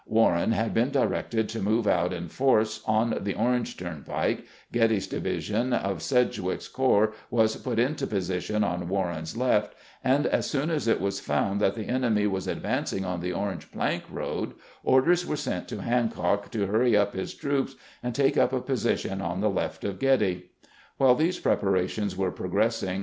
Warren had been directed to move out in force on the Orange turnpike, Getty's division of Sedgwick's corps was put into position on Warren's left, and as soon as it was found that the enemy was advancing on the Orange plank road, orders were sent to Hancock to hurry up his troops, and take up a position on the left of Getty. While these preparations were progressing.